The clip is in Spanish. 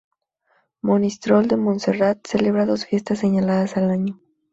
Monistrol de Montserrat celebra dos fiestas señaladas al año.